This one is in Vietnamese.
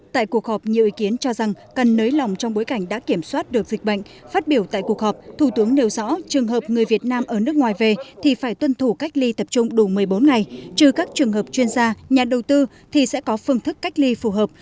tại cuộc họp nhiều ý kiến cho rằng cần nới lỏng trong bối cảnh đã kiểm soát được dịch bệnh phát biểu tại cuộc họp thủ tướng nêu rõ trường hợp người việt nam ở nước ngoài về thì phải tuân thủ cách ly tập trung đủ một mươi bốn ngày trừ các trường hợp chuyên gia nhà đầu tư thì sẽ có phương thức cách ly phù hợp